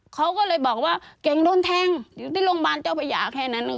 เขาก็เลยบอกว่าเก่งโดนแทงอยู่ที่โรงพยาแค่นั้น